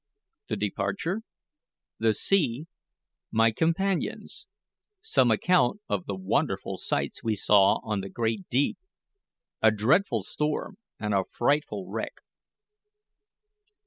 THE DEPARTURE THE SEA MY COMPANIONS SOME ACCOUNT OF THE WONDERFUL SIGHTS WE SAW ON THE GREAT DEEP A DREADFUL STORM AND A FRIGHTFUL WRECK.